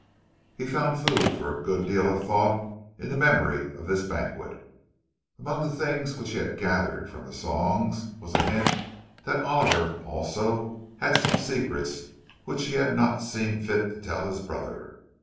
He found food for a good deal of thought in the memory of this banquet. Among the things which he had gathered from the songs was a hint that Oliver, also, had some secrets, which he had not seen fit to tell his brother.